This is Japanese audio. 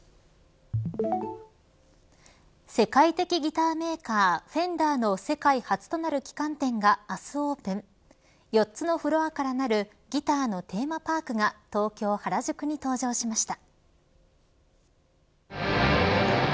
世界的ギターメーカーフェンダーの世界初となる旗艦店が明日オープン４つのフロアからなるギターのテーマパークが東京、原宿に登場しました。